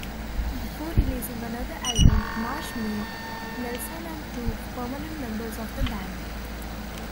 Before releasing another album, Martsch made Nelson and Plouf permanent members of the band.